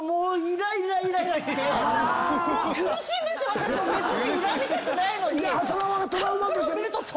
私も別に恨みたくないのに。